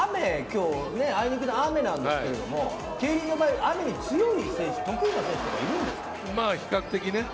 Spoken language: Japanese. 雨、今日はあいにくの雨なんですけど、競輪の場合、雨に強い選手、どんな選手がいるんですか？